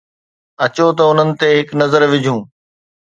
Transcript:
اچو ته انهن تي هڪ نظر وجهون.